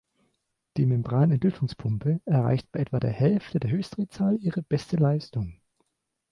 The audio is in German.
Die Membran-Entlüftungspumpe erreicht bei etwa der Hälfte der Höchstdrehzahl ihre beste Leistung.